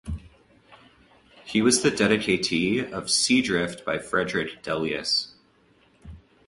He was the dedicatee of "Sea Drift" by Frederick Delius.